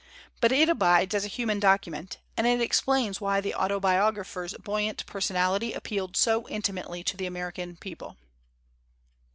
1 But it abides as a human document; and it explains why the autobiographer's buoyant personality appealed so intimately to the American people.